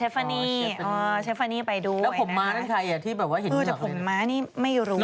แล้วผมม้านั่นใครอ่ะที่แบบว่าเห็นเหมือนกันเลยนะครับคือจะผมม้านี่ไม่รู้